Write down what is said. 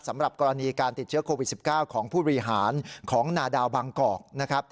สำหรับกรณีการติดเชื้อโควิด๑๙ของผู้บริหารของนาดาวบางกอกนะครับ